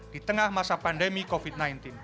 di tengah masa pandemi covid sembilan belas